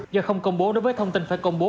do không công bố đối với thông tin phải công bố